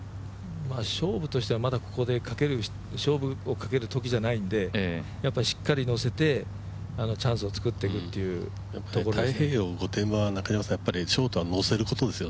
勝負としてはまだここで勝負をかけるときじゃないのでしっかり乗せてチャンスをつくっていくというところです。